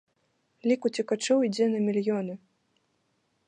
Лік уцекачоў ідзе на мільёны.